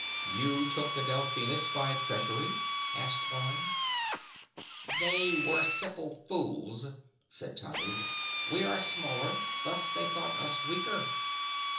"You took the Delphinus by treachery?" asked Orne. "They were simple fools," said Tanub. "We are smaller, thus they thought us weaker."